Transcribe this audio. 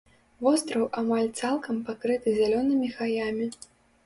Востраў амаль цалкам пакрыты зялёнымі гаямі.